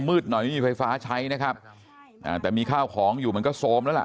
มืดหน่อยไฟฟ้าใช้นะครับแต่มีข้าวของอยู่มันก็สวมแล้ว